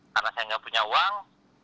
karena saya tidak punya uang